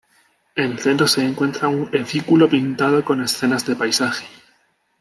En el centro se encuentra un edículo pintado con escenas de paisaje.